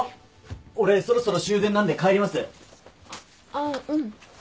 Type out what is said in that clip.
あっうん。